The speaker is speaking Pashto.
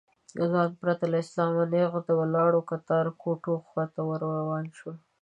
ځوان پرته له سلامه نېغ د ولاړو کتار کوټو خواته ور روان شو.